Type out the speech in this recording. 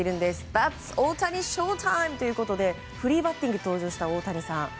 ザッツ大谷ショータイムということでフリーバッティングに登場した大谷さん。